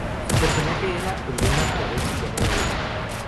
Su personaje era el de una travesti llamada Wendy.